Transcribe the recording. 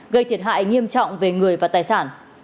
gây thiệt hại nghiêm trọng về người và tài sản